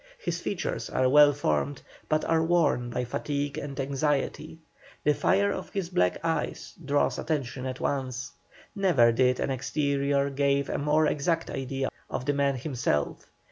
His features are well formed, but are worn by fatigue and anxiety. The fire of his black eyes draws attention at once. Never did the exterior give a more exact idea of the man himself.